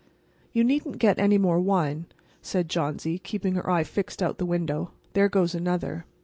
"You needn't get any more wine," said Johnsy, keeping her eyes fixed out the window. "There goes another.